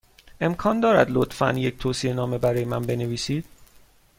امکان دارد، لطفا، یک توصیه نامه برای من بنویسید؟